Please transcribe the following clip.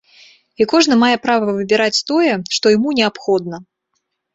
І кожны мае права выбіраць тое, што яму неабходна.